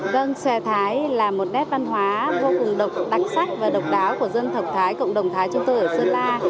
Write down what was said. vâng xòe thái là một nét văn hóa vô cùng đặc sắc và độc đáo của dân tộc thái cộng đồng thái chúng tôi ở sơn la